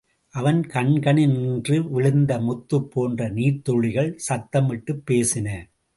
அவன் கண்களினின்று விழுந்த முத்துப் போன்ற நீர்த்துளிகள் சத்தமிட்டுப் பேசின.